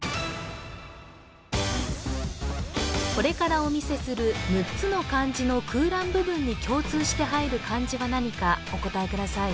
これからお見せする６つの漢字の空欄部分に共通して入る漢字は何かお答えください